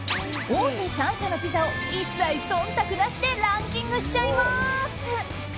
大手３社のピザを一切、忖度なしでランキングしちゃいます。